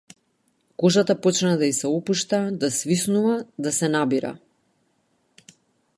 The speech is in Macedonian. Кожата почна да и се отпушта, да свиснува, да се набира.